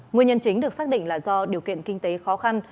nguyên nhân chính được xác định là do điều kiện kinh tế khó khăn